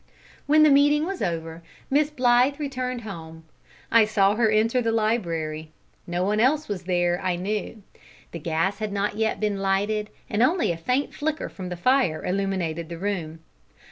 When the meeting was over, Miss Blythe returned home. I saw her enter the library. No one else was there, I knew. The gas had not yet been lighted, and only a faint flicker from the fire illumined the room.